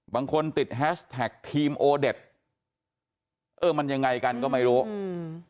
บางคนติดแฮชแท็กทีมโอเด็ดเออมันยังไงกันก็ไม่รู้อืม